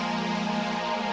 ya seng tenaga kampanye